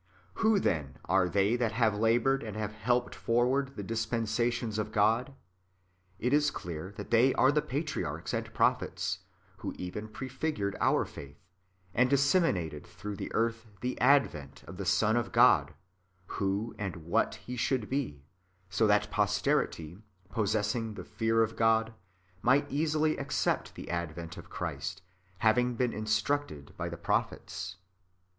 ^ Who, then, are they that have laboured, and have helped forward the dispensations of God ? It is clear that they are the patriarchs and prophets, who even prefigured our faith, and disseminated through the earth the advent of the Son of God, who and what He should be : so that posterity, possessing the ^ Horn. iii. 30. ^ John iv. 35, etc. 456 IREN^US AGAINST HERESIES. [Book iv. fear of God, might easily accept the advent of Christ, having been instructed by the prophets.